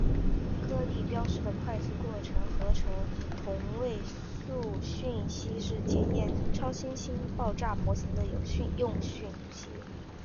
颗粒标示的快速过程核合成同位素讯息是检验超新星爆炸模型的有用讯息。